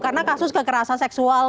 karena kasus kekerasan seksual